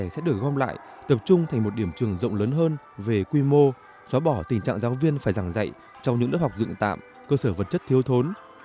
trường sẽ được gom lại tập trung thành một điểm trường rộng lớn hơn về quy mô xóa bỏ tình trạng giáo viên phải giảng dạy trong những lớp học dựng tạm cơ sở vật chất thiếu thốn